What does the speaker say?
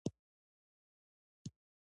د کندهار په خاکریز کې د څه شي کان دی؟